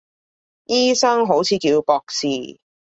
醫生好似叫博士